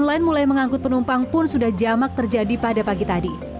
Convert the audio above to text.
online mulai mengangkut penumpang pun sudah jamak terjadi pada pagi tadi